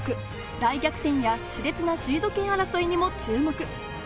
大逆転や、し烈なシード権争いにも注目。